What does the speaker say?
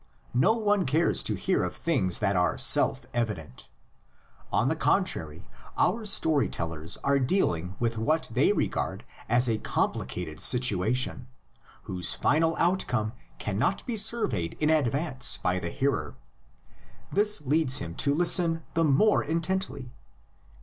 No one cares to hear of things that are self evident. On the contrary, our story tellers are dealing with what they regard as a complicated situation, whose final outcome cannot be surveyed in advance by the hearer. This leads him to listen the more intently.